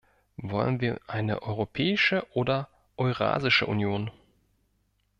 Wollen wir eine europäische oder eurasische Union?